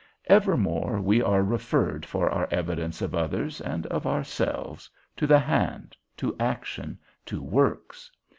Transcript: Evermore we are referred for our evidence of others, and of ourselves, to the hand, to action, to works.